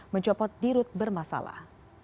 mencopot dirut bermasalah